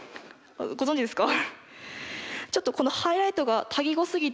ご存じですか？